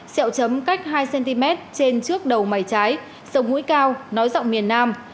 xẹo chấm cách hai cm trên trước đầu mảy trái sông ngũi cao nói rộng miền nam